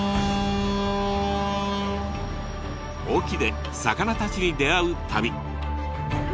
隠岐で魚たちに出会う旅。